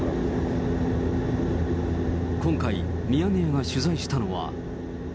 今回、ミヤネ屋が取材したのは。